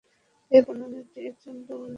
এ বর্ণনাটিতে একজন দুর্বল রাবী রয়েছেন।